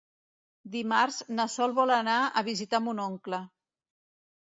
Dimarts na Sol vol anar a visitar mon oncle.